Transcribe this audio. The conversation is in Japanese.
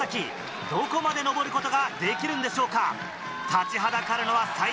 どこまで登ることができるんでしょうか。